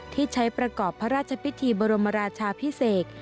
ที่ใช้ประกอบพระราชพิธีบรมราชาพิเศษ